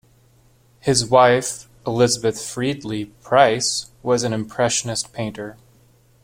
His wife, Elizabeth Freedley Price, was an Impressionist painter.